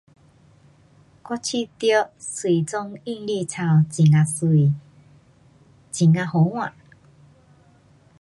我觉得水中韵律操很呀美。很呀好看。